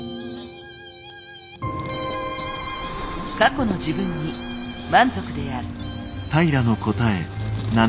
過去の自分に満足である。